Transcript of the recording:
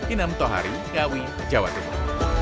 inam tohari ngawi jawa timur